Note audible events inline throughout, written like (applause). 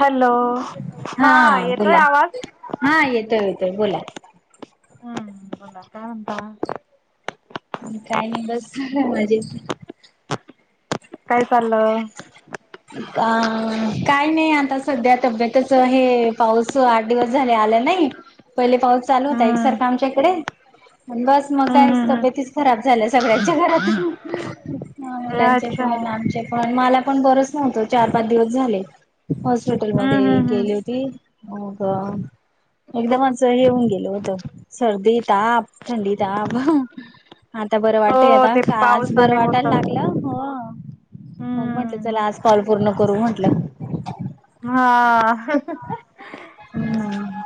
Hello. हा येतोय बोला, आवाज हा येतोय येतोय बोला. हां, बोला काय म्हणता. काय नाही, बस झालं मजेच. काय चाललं. अं.. काय नाही आता सध्या तब्येतच हे, पाऊस आ दिवस झाले आला नाही, पहिले पाऊस चालू होता हम्म एकसारखा आमच्याकडे बस. मग हम्म काय हम्म हम्म तब्येतीच खराब झाल्या, सगळ्यांच्या रात्री त्या. मुलांचे अच्छा पण हम्म आमचे पण मला. पण बरच नव्हतं, चार पाच दिवस झालं हॉस्पिटलमध्ये हम्म हम्म गेले होती. हो का एकदमच हेऊन गेल होत. सर्दी ताप थंडी ताप आता बरं वाटतय हो आता ते का आज बरं पावसाने होत वाटायला लागलं हो मग म्हंटलं हम्म चला आज कॉल पूर्ण करू म्हटलं. हा हम्म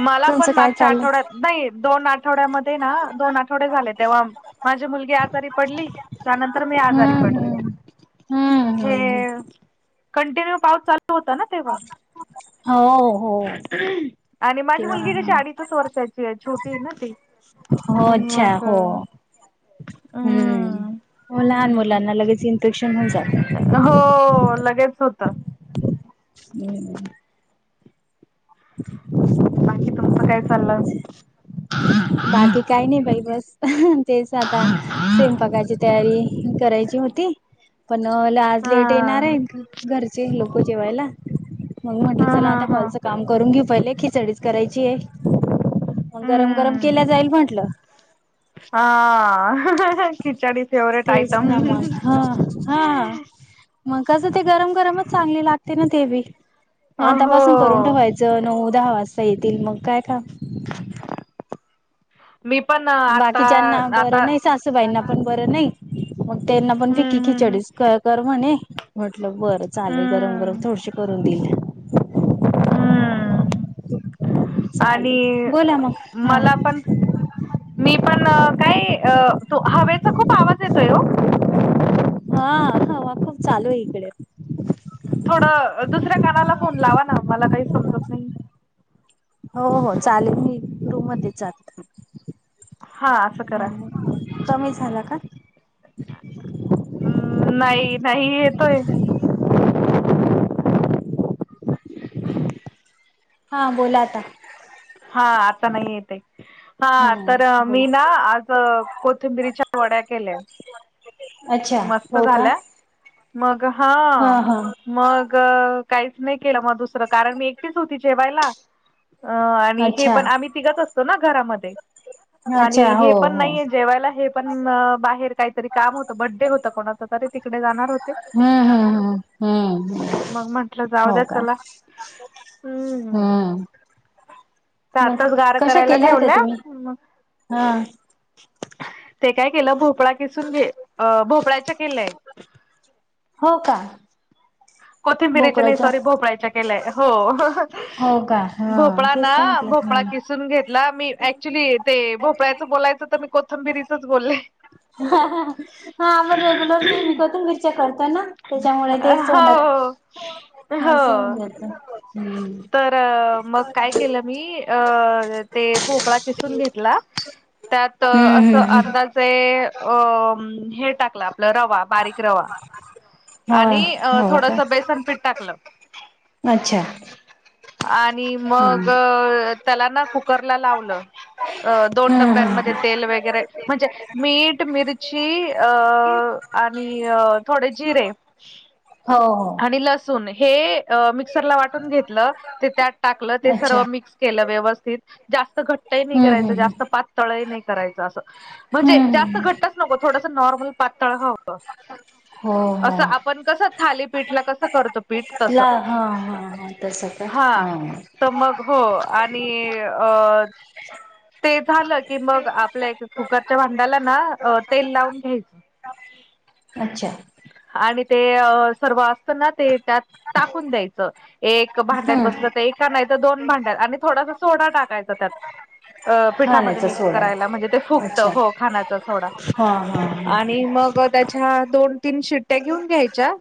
मला पण तुमचं काय मागच्या चाललंय आठवड्यात नाही दोन आठवड्यामध्ये ना दोन आठवडे झाले तेव्हा माझी मुलगी आजारी पडली त्यानंतर मी आजारी हम्म पडले. हम्म हम्म हम्म हेे कंटिन्यू पाऊस चालू होता ना ते हो हो (inaudible) आणि माझी मुलगी कशी तेव्हा अडीचच वर्षाची आहे छोटी ना ती हो म्हणून म अच्छा हो का-' हम्म लहान मुलांना लगेच इन्फेक्शन होऊन जात. हो लगेच होतं. हम्म ह (inaudible) बाकी तुमचं काय चाललं बाकी काही नाही बाई बस तेच आता सेम पघायचे तयारी करायची होती पण लाज लेट येणार हा आहे. घरचे लोक जेवायला मग म्हटलं हा चला हा आता हा कॉलच काम करून घेऊ पहिले खिचडीच करायची आहे मग गरम गरम हम्म केल्या जाईल म्हटलं हा खिचडी फेवररेट तेच आयटम ना मग हा हा. मग कसं ते गरम गरमच चांगली लागते ना ते बी हो आतापासून करून ठेवायचं. नऊ दहा वाजता येतील मग काय का मी पण आता बाकीच्याना आता बरं नाही सासूबाईंना पण बर नाही मग त्यांना पण हम्म पकी हम्म खिचडीस कर म्हणे म्हटलं बरं चालेल गरम गरम हम्म थोडीशी करून दिले. हम्म चालेल आणि बोला मग. हा मला पण मी पण कायू हवेचा खूप आवाज येतोय हो हा ह खूप चालू आहे इकडे थोडं दुसऱ्या कानाला फोन लावा ना मला काही समजत नाही. हो हो चालेल मी रूम मध्ये चाल हा असं करा कमी झाला का हम्म नाही नाही येतोय. हा बोला आता हा आं नाही येते. हा तर हम्म मी ना बोला आज कोथिंबिरीच्या वड्या केल्या. अच्छा मस्त हो का झाल्या मग हा मग काहीच नाही केलं मग दुसरं कारण मी एकटीच होती जेवायला अ आणि हे अच्छा पण आम्ही तिघच असतो ना घरामध्ये अच्छा आणि हे हो पण हो नाहीे जेवायला हे पण बाहेर काहीतरी काम होतं बड्डे होतं कोणाचं तरी तिकडे जाणार होते. हम्म हम्म हम्म हम्म हम्म मग म्हंटलं जाऊ हो द्या का चला हम्म तर आताच मग गार कशा करायला केल्या होत्या ठेवल्या तुम्ही हा ते काय केलं भोपळा किसूने भोपळाच्या केल्याय हो का कोथिंबिरीच्या नाही भोपळ्याच्या सॉरी भोपळाच्या केलंय हो हो का हा भोपळा ना तेच तर भोपळा म्हटलं किसून घेत ला मी ऍक्च्युली ते भोपळ्याचं बोलायचं होतं मी कोथंबिरीचच बोलले. हा आपण रेग्युलर नेहमी परतून मिरच्या करतोय ना? त्याच्यामुळे तेच हो तोंडात (unintelligible) हो हम्म. तर मग काय केलंत? मी अ ते भोपळा किसून घेतला त्यात हम्म अस हम्म हम्म अंदा जे अ हे टाकलं आपलं रवा बारीक रवा. आणि अ हो हो का थोडसं बेसन पीठ टाकलं. अच्छा. आणि मग हम्म. त्याला ना कुकरला लावलं दोन हम्म डब्यांमध्ये हम्म तेल वगैरे म्हणजे मीठ मिरची अ आणि अ थोडे जिरे हो हो. आणि लसूण हे मिक्सरला वाटून घेतलं ते त्यात टाकलं ते अच्छा सर्व मिक्स केलं व्यवस्थित जास्त घट्ट नाही हम्म करायचं हम्म जास्त हम्म पातळही नाही करायच असं म्हणजे हम्म जास्त हम्म. घट्ट नको थोडसं नॉर्मल पातळ हवं हो असं हो आपण कसं थाली पीठला कसं करतो. ला हां हां हां तसं का हा हां. तर मग हो आणि अ ते झालं की मग आपल्या एक कुकरच्या भांड्याला ना अ तेल लावून घ्यायचं. अच्छा. आणि ते अ सर्व असं ना ते त्यात टाकून द्यायचं एक भांड्यात हम्म बसलं तर एक का नाही तरं दोन भांड्यात आणि थोडासा सोडा टाकायचा त्यात. अ पिठामध्ये खाण्याचा मिक्स सोडा करायला म्हणजे ते फुगतं हो खाण्याचा सोडा. हां हां आणि मग (unintelligible) त्याच्या दोन तीन शिट्ट्या घेऊन घ्यायच्या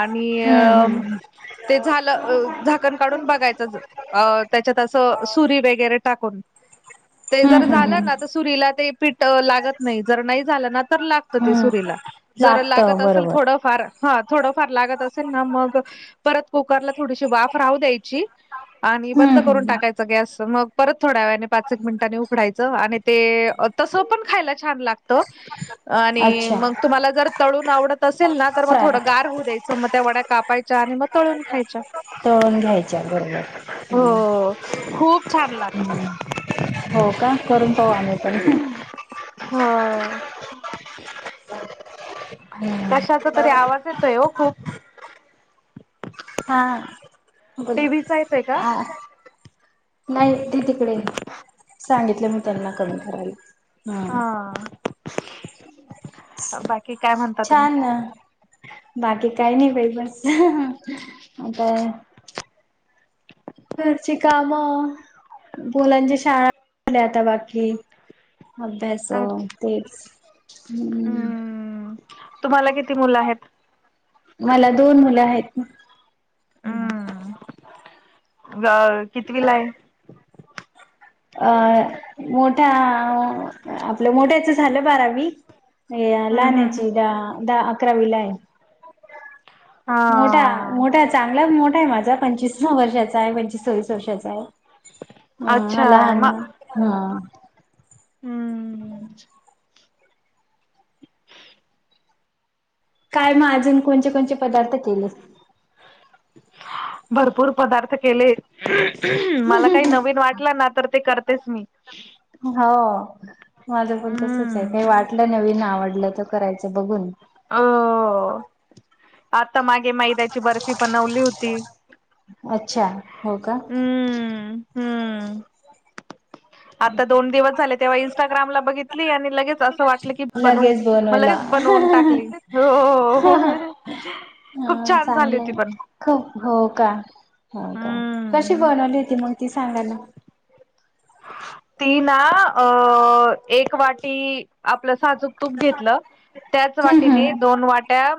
आणि हम्म अ हम्म ते झालं अ झाकण काढून बघायचं ज अ त्याच्यात असं सुरी वगैरे टाकून. ते हम्म जर हम्म झालं हम्म. ना तर सुरीला ते पीठ लागत नाही जर नाही झालं ना तर लागत ते हम्म सुरीला. जर लागत असल थोडंफार हं थोडंफार लागत असेल ना मग परत कुकरला थोडीशी वाफ राहू द्यायची आणि बंद हम्म करून हम्म टाकायच गॅस मग परत थोड्या वेळाने पाच एक मिनिटांनी उघडायचं आणि ते अ तसं पण खायला छान लाग त आणि अच्छा. मग तुम्हाला जर तळून आवडत असेल ना तर मग फ्राय थोडं गार होऊ द्यायचं मग त्या वड्या कापायच्या आणि मग तळून खायच्या. तळून घ्यायच्या (unintelligible) हम्म हो खूप छान लागतात. हम्म. हो का करून पाहू आम्ही पण हम्म. हो. कशाचा तरी आवाज येतोय हो खूप. हां. टीव्हीचा येतोय का? नाही ती तिकडे सांगितलं मी त्यांना कमी करायला. हम्म हा बाकी काय म्हणता तुम्ही छान बाकी काही नाही बाई बस आता घरची काम मुलांच्या शाळा आणि आता बाकी अभ्यास हो अच्छा. तेच हम्म तुम्हाला किती मुलं आहेत? मला दोन मुलं आहेत ना हम्म. हां ग कितविला आहे? अ मोठा आपल्या मोठ्याचं झालं बारावी. या हम्म हम्म हम्म. लहान्याची द दहा अकरावीला आहे. मोठां हा मोठां चांगलाच मोठां आहे माझां पंचवीस वर्षाचां आहे पंचवीस सव्वीस वर्षाचां आहे. हम्मं अच्छा लहांने हम्मं हम्मं कायं मंग अजूंन कोणते कोणचे पदार्थ केलें भरूपूंर पदांर्थ केलेतं हम्मं मलां कांहीं नवीन वाटलं नां तरं ते करतेचं मी हो माझं पणं तसंच आहे कांहीं हम्म. वाटलं नवीन आवडलं तरं करायचं बघूंन अं अं आतां मागें मैद्यांची बर्फी बनवली होती अच्छा हो कां हम्मं आतां दोन दिवसं झाले तेंव्हा इन्स्टाग्रामलां बघितली आणि लगेचं असं वाटलं की बनवूं लगेच मंग लंगेच बनवायला बनवूंन टाकलं हो हो हं हं खूंप छांन झालीं होती पणं खो हो कां हं कशी हम्म बनवली होती मंग ती सांगा नां ती नां अं एक वांटी आपलं साजूंक तूंप तूंप घेतलं त्यांचं हम्म वाटीने हम्म दोन वाट्यां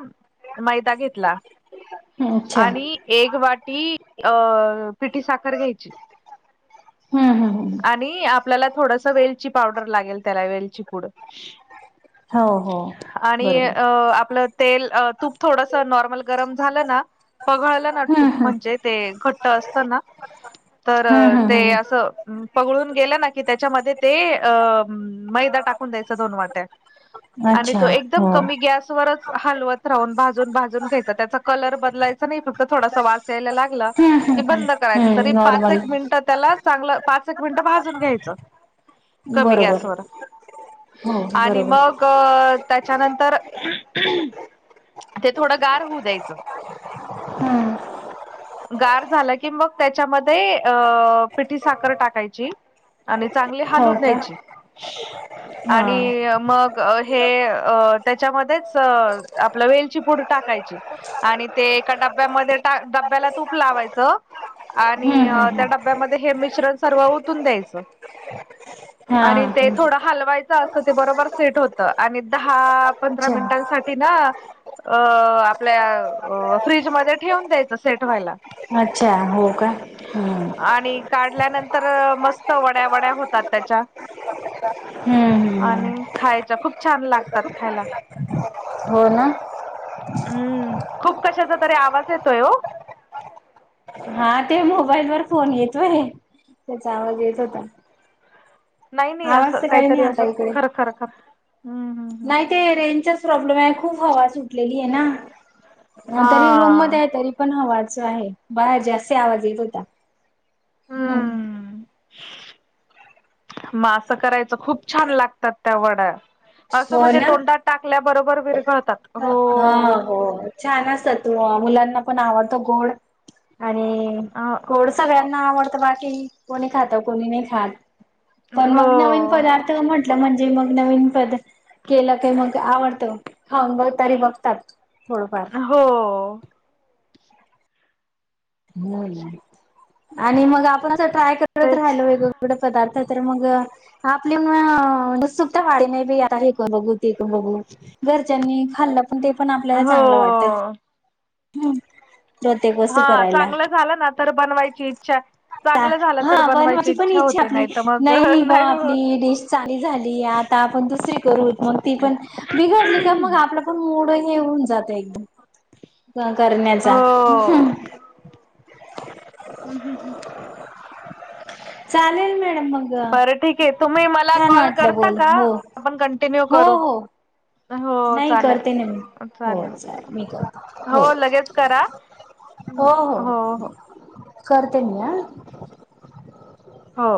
मैदा घेतलां अच्छा आणि एक वांटी अं पिठ्ठी सांखर घ्यांयची हम्मं हम्मं हमं आणि आपल्यांला थोडंसं वेलची पावडंर लागेल त्यांला वेलचीपूंड हो हो आणि बरोबर अं आपलं तेलं अं तूंप थोडंसं नॉर्मल गरमं झालं नां पघळंल नां हम्म तूंप हम्म म्हणजे ते घंट्ट असतं नां तरं हम्म हम्म ते हम्म असं पघळुंन गेलं नां की त्यांच्यामध्ये ते अं मैदा टाकूंन द्यांयचा दोन वाट्यां आणि अच्छा तो एकदंम हो कमी गॅसवरंच हलवंत रांहून भाजूंन भाजूंन घ्यांयच त्यांचा कलर बदलायंचा नाहीं फक्तं थोडासां वांस यांयला लागलां हम्म कि हम्म बंद हम्म करायचं तरी हम्म पांच एक नॉर्मल मिनिटं त्यांला चांगलं पांच एक मिनिटं भाजूंन घ्यांयचं कमी बरोबर गॅसंवर हो आणि बरोबर मंग अं त्यांच्यानंतर हम्मं हम्मं ते थोडं गांर होऊं द्यायचं हम्मं गांर झालं की मंग त्यांच्यामध्ये अं पिठी सांखर टांकायची आणि चांगली हो हालूंन का? द्यांयची हा आणि मंग हे अं त्यांच्यामध्ये चं आपलं वेलची पुढं टांकायची आणि ते एकां डब्यांमध्ये तां डब्यांला तूंप लावायचं आणि हम्म हम्म हम्म त्यां डब्यांमध्यें हे मिश्रण सर्व ओतूंन द्यायचं हा आणि ते थोडां हालवायचं असं ते बरोबर सेंट होतं आणि दहा पंधरा अच्छा मिनिटांसाठी नां अं आपल्यां फ्रीजमंध्यें ठेवूंन द्यायचं सेंट व्हांयलां अच्छा हो कां हम्मं काढल्यांनंतर मस्तं वड्यां वड्यां होतांत त्यांच्या हम्म हम्म आणि खांयच्या खूंप छान लागतांत खांयला हो नां हम्मं खूंप कशांचा तरी आवांज येतोय हो हां ते मोबाईल वरं फोन येतोय त्यांचा आवांज येतं होतां नाहीं नाहीं असं नाही कांहीतरी असं खरं खरं खरं असां नाहीं ते रेंजचांच प्रॉब्लेम आहे खूंप हवां सुटलेली आहे नां हं तरी रूंम हा मध्यें आहे तरी पणं हवा चं आहे बाहेर जास्ती आवांज येतं होतां हम्मं मंग असं करायचं खूंप छान लागतांत त्यां वड्यां असं हो म्हणजे ना तोंडांत टांकल्याबरोबर विरघंळतात हां हो छान असतं बां मुलांना पणं आवडतो गोंड आणि अ गोड सगळ्यांना आवडतं बाकी कोणी खात कोणी नाही खात. पण हो मग नवीन पदार्थ म्हंटलं म्हणजे मग नवीन पद केलं का मग आवडत. तरी बघतात थोडंफार. हो. हो आणि मग आपण अस ट्राय करत तेच राहिल वेग एवढ पदार्थ तर मग आपलीसुकत वाडी नाही बी आता हेक बघू. ते बघू घरच्यांनी खाल्लं पण ते पण आपल्याला चांगलं वाटतं. हो हम् जते एक वस्तू हा करायला चांगलं झालं ना तर बनवायची इच्छा चांगलं झालं तर हा बनवायची पण इच्छा होते आपली नाही. तर मग नाही बा होत आपली डिश चांली झाली आता आपण दुसरी करूत मग ती पण बिघडली का मग आपलं पण मोडं हे होऊन जातं एकदम करण्याचा हो हं् हं हं. चालेल मॅडम मग बरं ठीक आहे तुम्ही मला छान कॉल वाटलं करता बोल का हो आपण कंटिन्यू हो करू. हो हो नाही चालेल. करते ना मी हो चालेल मी करते हो लगेच करा हो हो. करते मी ह. हो.